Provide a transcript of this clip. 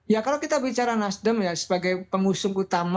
ya kalau kita bicara nasdem ya sebagai pengusung utama